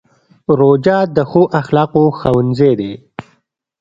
روژه د ښو اخلاقو ښوونځی دی.